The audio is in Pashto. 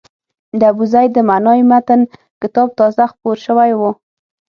د ابوزید د معنای متن کتاب تازه خپور شوی و.